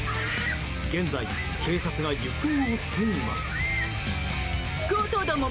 現在、警察が行方を追っています。